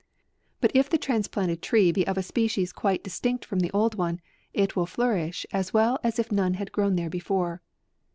But if the transplanted tree be of a species quite distinct from the old one, it will flourish as well as if none had grown there before.